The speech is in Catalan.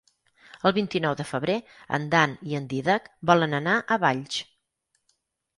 El vint-i-nou de febrer en Dan i en Dídac volen anar a Valls.